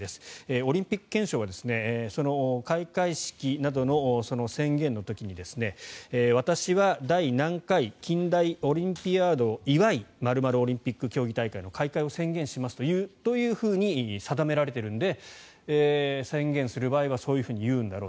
オリンピック憲章は開会式などの宣言の時に私は第何回近代オリンピアードを祝い○○オリンピック競技大会の開会を宣言しますというふうに定められているので宣言する場合はそう言うんだろう